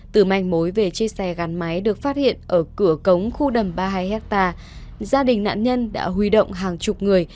từ manh mối về chiếc xe gắn máy được phát hiện ở cửa cống khu đầm ba mươi hai hectare gia đình nạn nhân đã huy động hàng chục người